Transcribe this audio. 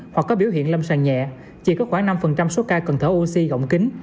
hoặc có biểu hiện lâm sàn nhẹ chỉ có khoảng năm số ca cần thở oxy gọng kính